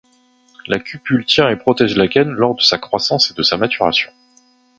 La cupule tient et protège l'akène lors de sa croissance et de sa maturation.